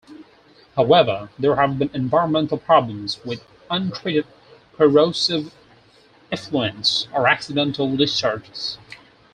However, there have been environmental problems with untreated corrosive effluents or accidental discharges.